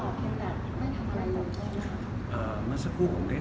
หรือว่าเรามั่นใจในฝังของเขาว่า